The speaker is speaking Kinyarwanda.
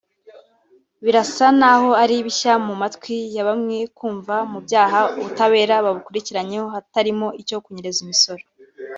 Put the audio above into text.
Birasa n’aho ari bishya mu matwi ya bamwe kumva mu byaha ubutabera bubakurikiranyeho hatarimo icyo kunyereza imisoro